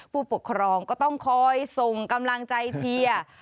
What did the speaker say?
ผู้ปกครองก็ต้องคอยส่งกำลังใจเชียร์